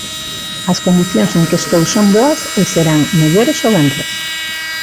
As condicións en que estou son boas e serán mellores o venres.